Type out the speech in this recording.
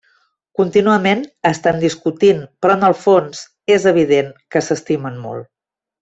Contínuament estan discutint però en el fons és evident que s'estimen molt.